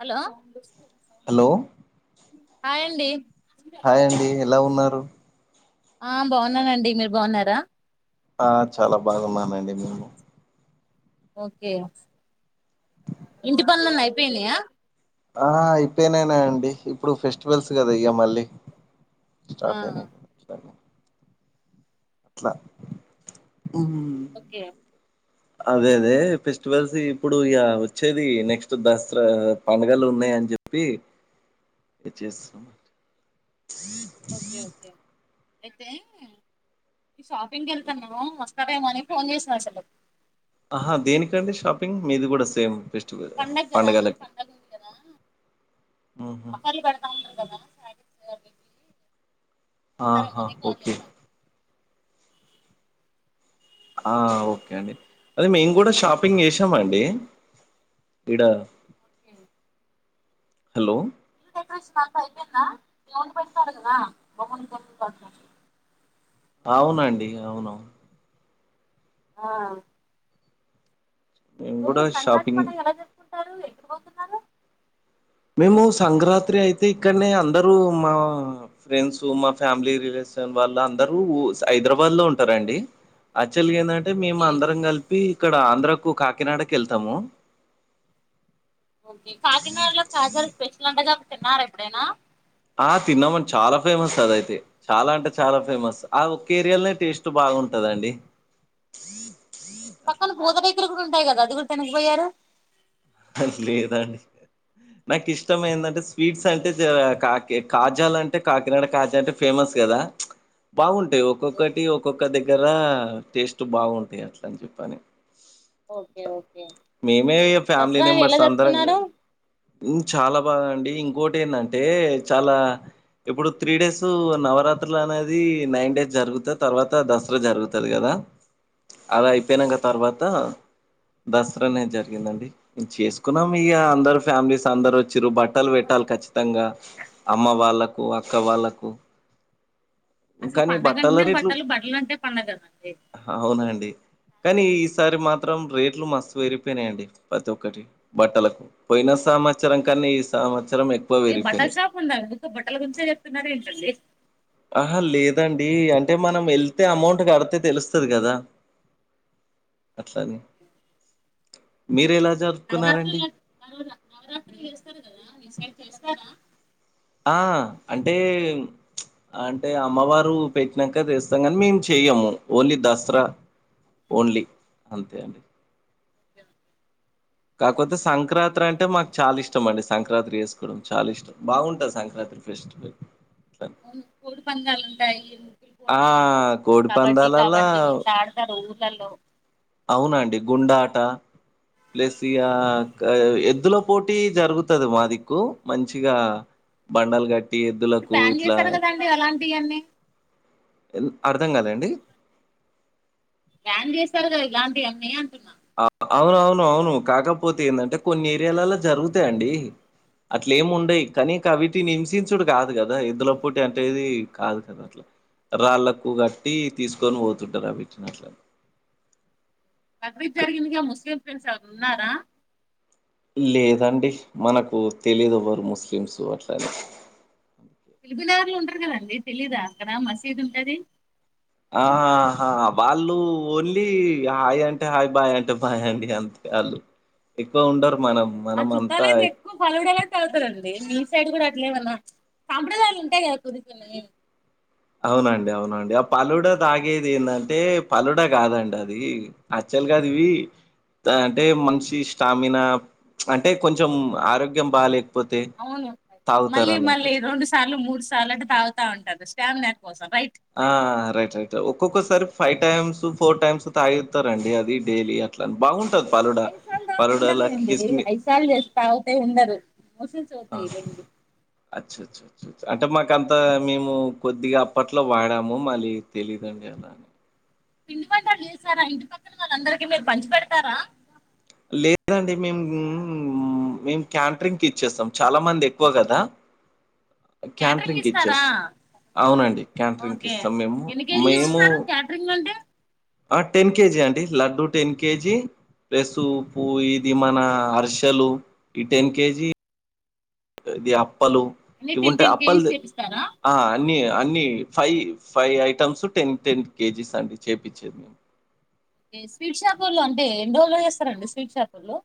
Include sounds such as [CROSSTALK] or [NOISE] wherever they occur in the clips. Hello hello hi అండి hi అండి ఎలా ఉన్నారు ఆ బాగున్నానండి మీరు బాగున్నారా ఆ చాలా బాగున్నానండి మేము ఓకే ఇంటి పనులన్నీ అయిపోయినాయా ఆ అయిపోయినయనండి ఇప్పుడు ఫెస్టివల్స్ కదా ఇగ మళ్ళీ ఆ స్టార్ట్ అయినాయి అట్లా ఓకే అదే అదే ఫెస్టివల్స్ ఇప్పుడు ఇక వచ్చేది నెక్స్ట్ దసరా పండుగలు ఉన్నా అని చెప్పి మచ్ ఓకే ఓకే అయితే షాపింగ్కి వెళ్తుాన్నా వస్తారేమో అని ఫోన్ చేసా అసలు ఆహా దేనికండి షాపింగ్ మీది కూడా సేమ్స్ పండగ కదా పండగ ఉంది కదా మ్మ్హ్మ్. ఆఫర్లు పెడతా కదా సారీస్ అవి ఇవి వస్తారేమో ఆహా అని కాల్ ఓకే చేశాను ఆ ఓకే అండి అదే మేము కూడా షాపింగ్ చేసామ అండి ఇడా కే హలో [UNINTELLIGIBLE] అవునండి అవును ఆ మేము ఇ కూడా సంక్రాంతి షాపింగ్ పండుగ ఎలా జప్పుకుంటారు ఎక్కడి పోతున్నారు మేము సంగరాత్రి అయితే ఇక్కడనే అందరుూ మా ఫ్రెండ్స్ మా ఫ్యామిలీ రిలేషవ వాళ్ళ అందరూ హైదరాబాద్ లో ఉంటారండి యాక్చువల్గా ఏంటంటే మేము ఓకే అందరం కలిపి ఇక్కడ ఆంధ్రకు కాకినాడకి వెళ్తాము ఓకే కాకినాడలో కాజాలు స్పెషల్ అంటగా ఒక తిన్నారా ఎప్పుడైనా ఆ తిన్నామని చాలా ఫేమస్ అదయితే చాలా అంటే చాలా ఫేమస్ ఆ ఒక్క ఏరియాలోనే టేస్ట్ బాగా బాగుంటదండి పక్కన అట్లా పూతరేకులు కూడా ఉంటాయి కదా అది కూడా తనిగిపోయారు అది లేదా అండి నాకు ఇష్టం ఏంటంటే స్వీట్స్ అంటే కాకి కాజాల అంటే కాకినాడ కాజా అంటే ఫేమస్ కదా బాగుంటాయి ఒక్కొక్కటి ఒక్కొక్క దగ్గర టేస్ట్ బాగుంటాయి అట్లని చెప్పని ఓకే ఓకే మేమే ఫ్యామిలీ దసరా ఎలా మెంబర్స్ అందరం జరుపుకున్నారు చాలా బాగా అండి ఇంకోటి ఏంటంటే చాలా ఇప్పుడు త్రీ డేస్ నవరాత్రులు అనేది నైన్ డేస్ జరుగుతా తర్వాత దసరా జరుగుతుది కదా అలా అయిపోయినాక తర్వాత దసరా అనేది జరిగిందండి చేసుకున్నాం ఇక అందరు ఫ్యామిలీస్ అందరు వచ్చారు బట్టలు పెట్టాలి ఖచ్చితంగా అమ్మ వాళ్ళకు అక్క వాళ్ళకు అసలు కానీ పండగ బట్టల అంటేనే రేట్లు బట్టలు బట్టలు అంటే పండగ కదండి అవున అండి కానీ ఈసారి మాత్రం రేట్లు మస్తు వరిగిపోయినాయండి ప్రతి ఒక్కటి బట్టలకు పోయిన సంవత్సరం కానీ ఈ సంవత్సరం ఎక్కువ మీ బట్టల పెరిగిపోయినాయి షాప్ ఉంద అండి మీకు బట్టల గురించే చెప్తున్నార ఏంటండి ఆహా లేదండి అంటే మనం వెళ్తే అమౌంట్ కడితే తెలుస్తుంది కదా అట్లాని మీ మీరేలా నవరాత్రి నవరాత్రి చేస్తారు కదా మీ సైడ్ [UNINTELLIGIBLE] చేస్తారా ఆ అంటే అంటే అమ్మవారు పెట్టినాక తెస్తాం కానీ మేము చెయము ఓన్లీ దసర ఓన్లీ అంతే అండి ఓకే ఓకే కాకపోతే సంక్రాంత్రి అంటే మాకు చాలా ఇష్టం అండి సంక్రాంతి వేసుకోవడం చాలా ఇష్టం బాగుంటంది సంక్రాంత్రి [UNINTELLIGIBLE] ఫెస్టివల్ ఇట్లా అవును కోడి పందాలు ఉంటాయి అండి ఆ! పోటీలు కోడి కబడ్డీ పందాలల్లా కబడ్డీ [UNINTELLIGIBLE] ఆడతారు ఊర్లలో అవునండి గుండాట ప్లస్ ఇగ ఎద్దులో పోటీ జరుగుతది మాదిక్కు మంచిగా బండాల్ గ ఇప్పుడు ప్లాన్ చేశారు కదండి అలాంటివన్నీ అర్థం కాలేఅండి బ్యాన్ చేస్తారు గా ఇలాంటివి అన్ని [UNINTELLIGIBLE] అవున అవును అవును కాకపోతే ఏంటంటే కొన్ని ఏరియాలలో జరుగుతాయండి అట్ల ఏమి ఉండయి కానీ కవిటి హింసించుడు కాదు కదా ఎద్దుల పోటీ అంటేది కాదు కదా అట్ల రాళ్ళకు కట్టి తీసుకొని పోతుంటారు [UNINTELLIGIBLE] [UNINTELLIGIBLE] క- జరిగిందిగా ముస్లిం ఫ్రెండ్స్ ఎవరన్నా ఉన్నారా లేదండి మనకు తెలిదు [UNINTELLIGIBLE] ముస్లిమ్స్ అట్లనే తెలుగుదారులు ఉంటారు కదండి తెలీదా అక్కడ మసీదు ఉంటది ఆహాహా వాళ్ళు ఓన్లీ హాయ్ అంటే హాయ్ బాయ్ అంటే బాయ్ అండి ఆన్ ఎక్కువ వుండ మా చుట్టాలు అయితే ఎక్కువ ఫలుదనే [UNINTELLIGIBLE] మీ సైడ్ కూడ అట్లేమన్నా సాంప్రదాయాలు ఉంటాయి కదా [UNINTELLIGIBLE] అవునండి అవునండి ఆ పలుడా తాగేది [UNINTELLIGIBLE] పలుడా కాదండి అది అ [UNINTELLIGIBLE] అంటే మనిషి స్టామినా అంటే కొంచెం ఆరోగ్యం బా అవునుంటాయి మళ్ళీ మళ్ళీ రెండు సార్లు మూడు సార్లు అంటే తాగుతా ఉంటారు స్టామిన ఆ రైట్ రైట్ ఒక్కొక్కసారి ఫైవ్ టైమ్స్ ఫోర్ టైమ్స్ తాగితారండి అది డైలీ అట్ల బాగుంట ఐదు [UNINTELLIGIBLE] ఉండర్లేండి ఐదు సార్లు చేస్తే తాగుతే ఉండరు అవుతాయి లేండి [UNINTELLIGIBLE] అంటే మాకంత మేము కొద్దిగా అప్పట్లో వాడాము మళ్ళీ తెలీదండి ఎలా అని పిండి పంటారు లేస్తారా ఇంటి పక్కన వాళ్ళ అందరికీ మీరు పంచి పెడతారా లేదండి మేము మేము క్యాంట్రింగ్ ఇచ్చేస్తాం చాల మంది ఎక్కువ కదా క్యాటరింగ్ క్యాంట్రింగ్క్ ఇచ్చేస్ ఇస్తారా అవునండి క్యాంటరింగ్కి ఓకే ఇస్తాం మేము ఎన్ని కేజీలు మేము ఇస్తారు క్యాటరింగ్ అంటే ఆ టెన్ కేజీ అండి లడ్డు టెన్ కేజీ ప్లస్ [UNINTELLIGIBLE] ఇది మన అరిసెలు ఈ టెన్ కేజీ ఇది అప్పలు అన్ని ఇవి టెన్ ఉంటాయి టెన్ కేజీస్ అప్పలు చేపిస్తారా ఆ అన్ని అన్ని five five items ten ten KGs అండి చేపిచేది స్వీట్ షాపోల్లు అంటే ఏం [UNINTELLIGIBLE] చేస్తారండి స్వీట్ షాపోల్లు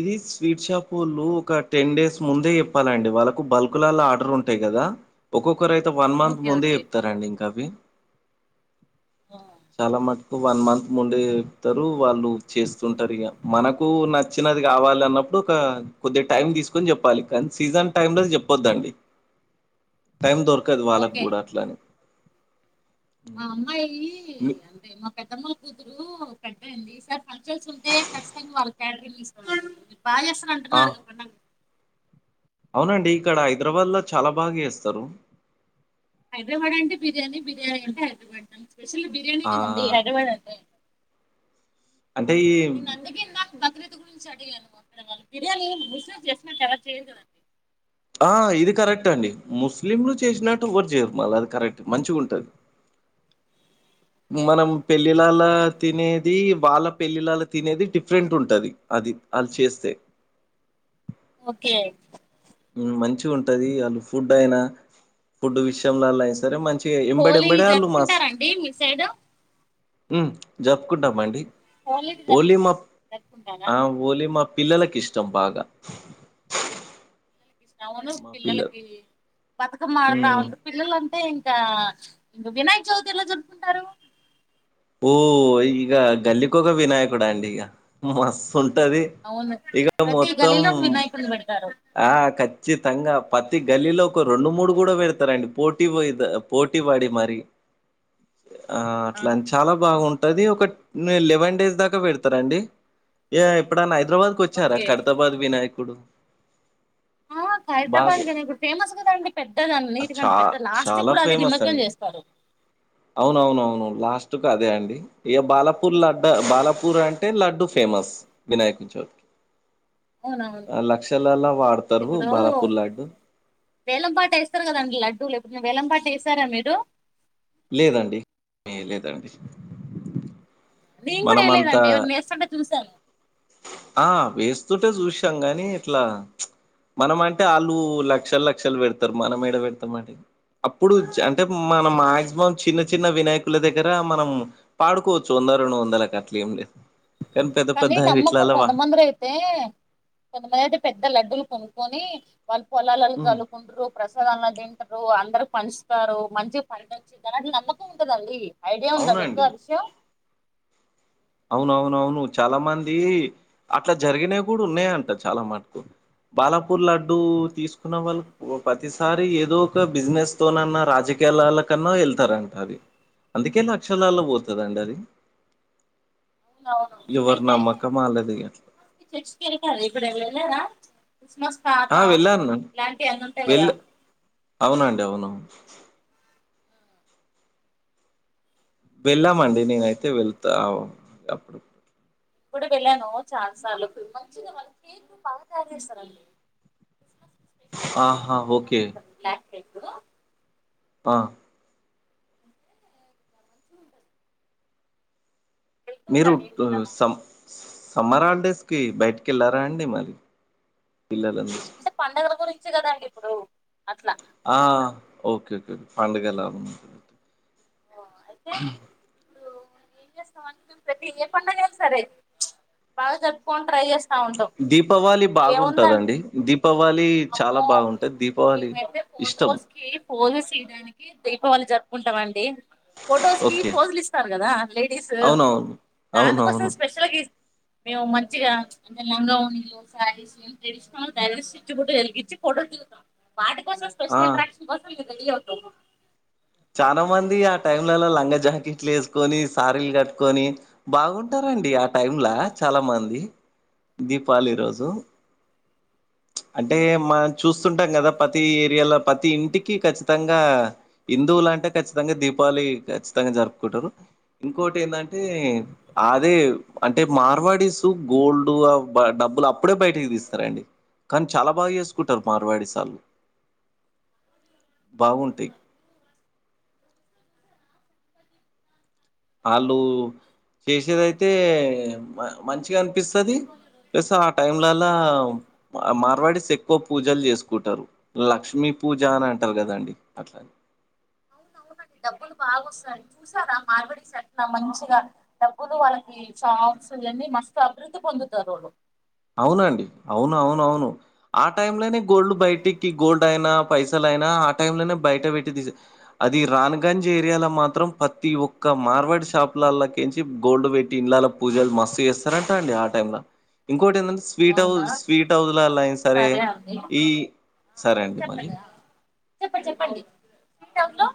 ఇది స్వీట్ షాపోలు ఒక టెన్ డేస్ ముందే చెప్పాలండి వాళ్ళకు బల్క్ లో ఆర్డర్ ఉంటాయి కదా కదా ఒక్కొక్క ఒకరు అయితే వన్ మంత్ ఓకే ముందే ఓకే చెప్తారండి ఇంకా అవి ఆ, చాలా మంది వన్ మంత్ ముందే చెప్తారు వాళ్ళు చేస్తుంటారు ఇక మనకు నచ్చ నచ్చినది కావాలి అన్నప్పుడు ఒక కొద్ది టైం తీసుకొని చెప్పాలి కానీ సీజన్ టైమ్ లో చెప్పొద్దండి ఉ టైం దొరకదు వాళ్ళకి కూడా అట్లని మా అమ్మాయి మీ అంటే మా పెద్దమ్మల కూతురు పెద్ద అయింది ఈ సారి కలసి ఉంటే ఖచ్చితంగా వాళ్ళు క్యాటరింగ్ ఇస్తారు వాళ్లు బాగా చేస్తున్నారు ఆ అంటున్నారు అవునండి ఇక్కడ హైదరాబాద్ లో చాలా బాగా చేస్తారు హైదరాబాద్ అంటే బిర్యానీ బిర్యానీ అంటే హైదరాబాద్ స్పెషల్ బిర్యానీ ఆ కదండి హైదరాబాద్ అంటే అంటే ఈ భద్రత గురించి అడిగాను మా పిలగలను బిర్యానీ బిసినెస్ చేస్తూ ఉంటారా చేయదండి ఆ ఇది కరెక్ట్ అండి ముస్లింలు చేసినట్టు ఒకరు చెయ్యరు అది కరెక్ట్ మంచిగా ఉంటది ఉ మనం పెళ్లిళ్లల తినేది వాళ్ళ పెళ్లిళ్లల తినేది డిఫరెంట్ ఉంటది అది వాళ్లు చేస్తే ఓకే మంచి ఉంటది వాళ్ళు ఫుడ్ అయినా ఫుడ్ విషయంలో అయినా సరే మంచిగా ఎంబడే హోలీ ఎంబడే వాళ్ళు మాస్ జరుపుకుంటారండి మీ సైడు జప్పుకుంటామండి హోలీకి జరు ఓలీ మా జరుపుకుంటారా ఆ ఓలీ మా పిల్లలకి ఇష్టం బాగా అవును మా పిల్లలు పిల్లలకి బతుకమ్మ ఆడుడు అంటే హ్మ్. ఉంటంది పిల్లల అంతే ఇంక వినాయక చవితి ఏలా చరుపుకుంటారు ఓ ఈగ గల్లి కోక్క వినాయకు అండి మస్ ఉంటది అవును ఇక ప్రతి మొత్తం గల్లీలో ఒక వినాయకుడిని పెడతారు ఆ ఖచ్చిత కచ్చితంగా ప్రతి గల్లీలో ఒక రెండు మూడు కూడా పెడతారండి పోటీ పో పోటీ వాడి మరి ఆ లంచ్ లే వన్ డేస్ దాకా పెడతారా అండి ఎప్పుడన్నా పెడతార హైదరాబాద్ కు వచ్చారా ఓకే ఖరదాబాద్ వినాయకుడు ఆ హైదరాబాద్ బాగా కానీ ఇప్పుడు ఫేమస్ కదండి పెద్దదీ చా అన్నిటికంటే పెద్దదీ లాస్ట్ లో చాలా కూడా అదే ఫేమస్ నిమజ్జనం అండి చేస్తారు అవునవునవును లాస్ట్ ఆదే అండి ఇక బాలపూర్ లడ్డు బాలపూర్ అంటే లడ్డు ఫేమస్ వినాయకునీకీ అవునవును లక్షలలా వాడతారు ఇప్పుడు బాలాపూర్ లడ్డు వేలంపాట వేస్తారు కదండి లడ్డూలు ఎప్పుడు వేలంపాట వేస్తారా మీరు లేదాండి ఏ లేదాండి మేం కూడా వెయ్యలేదండి ఎవరైనా వేస్తుంటే చూశాను ఆ వేస్తుంటే చూసాం గాని ఇట్లా మనం అంటే వాళ్ళు లక్షలు లక్షలు పెడతారు మనం ఏడ పెడతాం అండి అప్పుడు అంటే మనం మాక్సిమం చిన్న చిన్న వినాయకుల దగ్గర మనం పాడుకోవచ్చు వంద రెండు గట్ల ఏం లేదు కానీ పెద్ద పెద్ద విట్లల్ల వా కొంతమందిర అయితే కొంతమంది అయితే పెద్ద లడ్డూలు కొనుక్కొని వాళ్ళు పొలాలలో హ్మ్. చల్లుకుంటారు ప్రసాదాలు తింటారు అ అందరు పంచుతారు మంచిగా పండొచ్చిన తర్ అట్ నమ్మకం ఉంటదండి ఐడియా ఉందా మీకు ఆ విషయం అవును అవును అవును చాలా మంది అట్లా జరిగినేయి కూడా ఉన్నాయంట చాలా మటు బాలాపూర్ లడ్డు తీసుకున్న వాళ్ళ ఓ ప్రతిసారి ఏదో ఒక బిజినెస్ తోనన్న రాజ కీయాలల్లో కన్నా వెళ్తారంట అది అందుకే లక్షలాల్లో పోతాదండి అది అవునవును ఎవరి అయితే నమ్మకం ఆళ్ళది అట్లా. క్రిస్మస్ కి చర్చికి వెళ్తారు ఇప్పుడ ఎవరు వెళ్ళారా క్రిస్మస్ తాత ఆ వెళ్ళను ఇలాంటివి అన్ని ఉంటాయి కదా వెళ్లే అవునండి అవును వెళ్ళామండి నేనయితే వెళ్తా అప్పుడప్పుడు గుడికి వెళ్ళాను చాలా సార్లు ఆహా ఓకే ఎగ్గు బా అంటే గా మంచిగుంటది మీరు టు కూడా సమ్స్ సమ్మర్ హాలిడేస్ కి బయటికి వెళ్లారా అండి మరి పిల్లలు అంటే పండగల గురించే కాదండి ఇప్పుడు అట్లా ఆ ఓకే ఓకేే పండగల ఉమ్ ప్రతి సంవత్సరం ప్రతి ఎ పండగ అయిన సరే బాగా జరుపుకొన్ ట్రై చేస్తా ఉంటాం దీపావళి ఇక ఏముంది దాన్ బాగుంటదండి. దీపావళి చాలా అమ్మో బాగుంటది. దీపావళి మేమైతే ఇష్టం. ఫొటోస్ కి పోసేస్ ఈ డానికి దీపావళి జరుప్ ఉంటామండి ఫొటోస్ కి ఓకే. ఫోజులు ఇస్తారు కదా లేడీస్ అవునవును. దానికోసం అవునవును. స్పెషల్ గీస్ మేము మంచిగా అంటే లంగానీలు శారీస్ ఏం తెస్తాము దావాసి చిచుబిడు ఎల్గచ్చ ఫొటోస్ దిగుతాం వాటికోసం ఆ! స్పెషల్ అట్రక్న్ కోసం మేము రెడీ అవుతాం చాలా మంది ఆ టైంలలో లంగ జాకెట్లు వేసుకొని శారీలు కట్టుకొని బాగుంటార్ అండి ఆ టైమ్లా చాలా మంది దీపావళి రోజు అంటే మనం చూస్తుంటాం కదా ప్రతి ఏరియాలో ప్ ప్రతి ఇంటికి ఖచ్చితంగా హిందువులు అంటే ఖచ్చితంగా దీపాళి ఖచ్చితంగా జరుపుకుంటారు ఇంకోటి ఎందంటే అదే అంటే మార్వాడిసు గోల్డ్ ఆ బా డబ్బులు అప్పుడే బయటికి తీస్తారండి కానీ చాలా బాగా చేసుకుంటారు మార్వాడిస్ వాళ్లు బాగుంటాయి ఆళ్ళు చేసేదైతే మ మంచిగా పిస్తుంది ఆ టైంలల అ మార్వాడిస్ ఎక్ ఎక్కువ పూజలు చేసుకుంటారు లక్ష్మీ పూజ అని అంటారు కదండి అట్లా అవునువును డబ్బులు బాగా వస్తాయి చూసారా మార్బడిస్ ఎట్లా మంచిగా డబ్బులు వాళ్ళకి చాక్ అసలు ఎన్ని మస్తు అభివృద్ధి పొందుతారు వాళ్ళు అవునండి అవును అవున అవును ఆ టైమ్ లోనే గోల్డ్ బయటకి గోల్డ్ అయినా పైసల్ అయినా ఆ టైం లోనే బయట పెట్టి తీ అది రాన్గంజ్ ఏరియాలో మాత్రం ప్రతి ఒక్క మార్గ బటి షాప్లల్ల కించి గోల్డ్ పెట్టి ఇంలాల పూజలు మస్తు చేస్తారంటా అండి ఆ టైంలా ఇంకోటి ఎందన్ స్వీట్ అవునా హౌస్ స్వీట్ హౌస్లలో అయినా సరే అండి ఈ ఆ, సరే అండి మళ్ళీ చెప్పండి ఆ, చెప్పండి చెప్పండి స్వీట్ హౌస్ లో